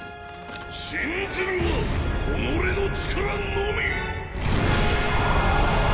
信ずるは己の力のみ！！